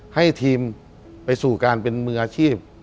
ให้ทีมไปสู่การเป็นมืออาชีพ